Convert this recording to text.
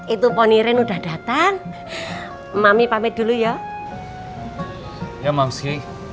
itu poniren udah datang mami pamit dulu ya ya mamsi